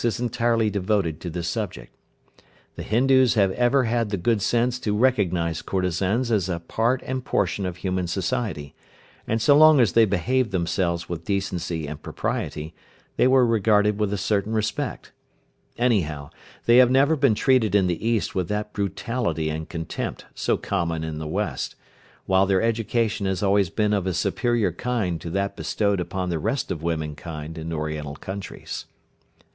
is entirely devoted to this subject. The Hindoos have ever had the good sense to recognise courtesans as a part and portion of human society, and so long as they behaved themselves with decency and propriety, they were regarded with a certain respect. Anyhow, they have never been treated in the East with that brutality and contempt so common in the West, while their education has always been of a superior kind to that bestowed upon the rest of womankind in Oriental countries.